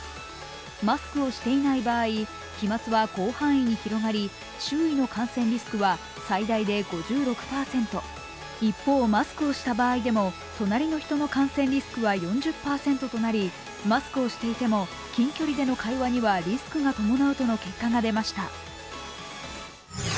マスクをしていない場合飛まつは広範囲に広がり、周囲の感染リスクは最大で５６％、一方、マスクをした場合でも隣の人の感染リスクは４０％となりマスクをしていても近距離での会話にはリスクが伴うとの結果が出ました。